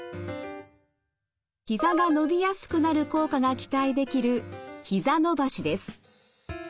ひざが伸びやすくなる効果が期待できるひざ伸ばしです。